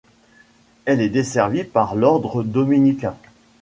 Elle est desservie par l'ordre dominicain.